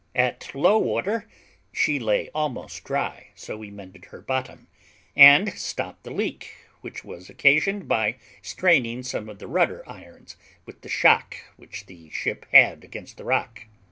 At low water she lay almost dry, so we mended her bottom, and stopped the leak, which was occasioned by straining some of the rudder irons with the shock which the ship had against the rock.